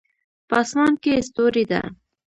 په اسمان کې ستوری ده